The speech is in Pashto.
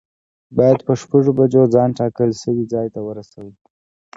باید په شپږو بجو ځان ټاکل شوي ځای ته ورسوی.